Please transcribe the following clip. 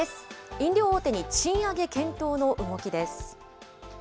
飲料大手に賃上げ検討の動きです。